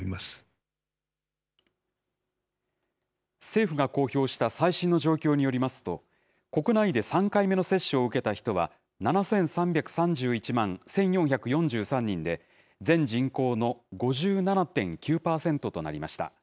政府が公表した最新の状況によりますと、国内で３回目の接種を受けた人は７３３１万１４４３人で、全人口の５７．９％となりました。